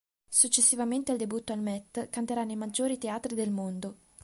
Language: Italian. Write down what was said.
Successivamente al debutto al Met canterà nei maggiori teatri del mondo.